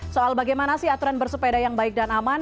soal bagaimana sih aturan bersepeda yang baik dan aman